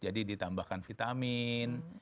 jadi ditambahkan vitamin